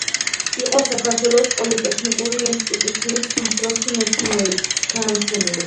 იყო საქართველოს პოლიტექნიკური ინსტიტუტის უმცროსი მეცნიერ–თანამშრომელი.